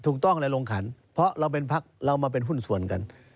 ถูกต้องเลยลงขันเพราะเราเป็นพักเรามาเป็นหุ้นส่วนกัน